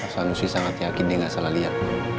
pak sanusi sangat yakin dia gak salah lihat